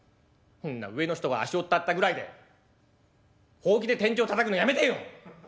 そんな上の人が足音立てたくらいでホウキで天井たたくのやめてよ」。